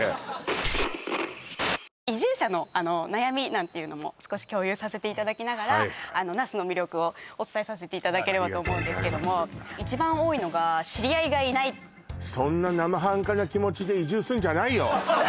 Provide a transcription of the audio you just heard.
なんていうのも少し共有させていただきながらはいはい那須の魅力をお伝えさせていただければと思うんですけどもありがとうございます一番多いのが知り合いがいないそんな生半可な気持ちで移住すんじゃないよ！